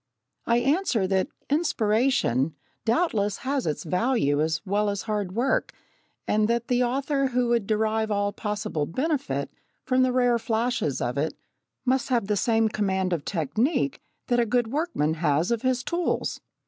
I answer that "inspiration" doubtless has its value as well as hard work, and that the author who would derive all possible benefit from the rare flashes of it must have the same command of technique that a good workman has of his tools.